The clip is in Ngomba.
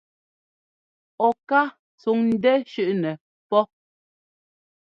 Ɔ ká tsúŋ ńdɛ́ shʉʼnɛ pó.